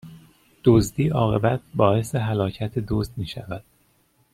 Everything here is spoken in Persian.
دزدی، عاقبت باعث هلاکت دزد میشود